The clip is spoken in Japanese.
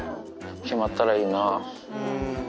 決まったらいいな。